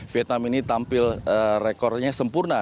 vietnam ini tampil rekornya sempurna